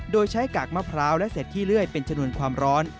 โดยใช้กากมะพร้าวและเสร็จขี้เลื่อยเป็นชนวนความร้อน